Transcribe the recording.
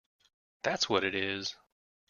That’s what it is!